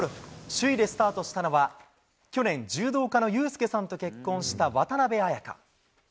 首位でスタートしたのは、去年、柔道家の悠輔さんと結婚した渡邉彩香。